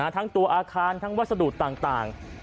ทั้งตัวอาคารทั้งวัสดุต่าง